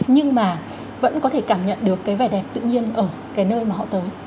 nhưng mà vẫn có thể cảm nhận được cái vẻ đẹp tự nhiên ở cái nơi mà họ tới